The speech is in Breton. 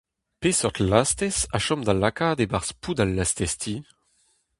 Peseurt lastez a chom da lakaat e-barzh pod al lastez-ti ?